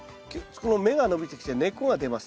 この芽が伸びてきて根っこが出ます。